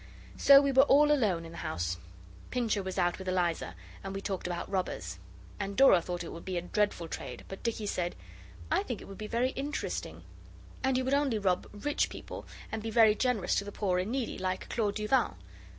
So we were all alone in the house; Pincher was out with Eliza, and we talked about robbers. And Dora thought it would be a dreadful trade, but Dicky said 'I think it would be very interesting. And you would only rob rich people, and be very generous to the poor and needy, like Claude Duval.